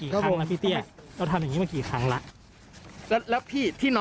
คบไหมพี่เปิดใจเลยพี่